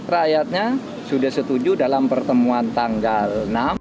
rakyatnya sudah setuju dalam pertemuan tanggal enam